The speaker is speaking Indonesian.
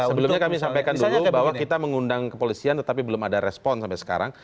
sebelumnya kami sampaikan dulu bahwa kita mengundang kepolisian tetapi belum ada respon sampai sekarang